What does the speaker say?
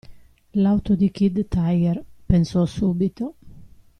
L'auto di Kid Tiger, pensò subito.